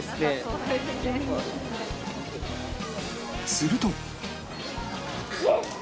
すると